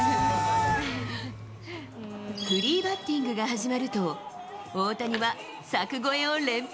フリーバッティングが始まると、大谷は柵越えを連発。